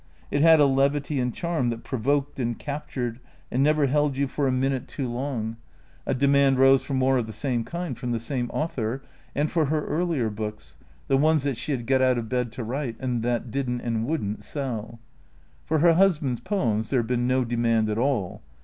It had a levity and charm that provoked and captured and never held you for a minute too 320 T H E C E E A T 0 R S long. A demand rose for more of the same kind from the same author, and for her earlier books, the ones that she had got out of bed to write, and that did n't and would n't sell. For her husband's poems there had been no demand at all.